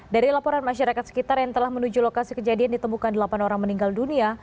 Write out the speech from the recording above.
dari laporan masyarakat sekitar yang telah menuju lokasi kejadian ditemukan delapan orang meninggal dunia